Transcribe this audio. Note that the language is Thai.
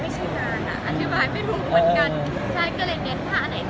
มีโครงการทุกทีใช่ไหม